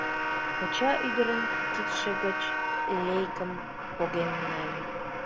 Коча ӱдырын кидше гыч лейкым поген нале.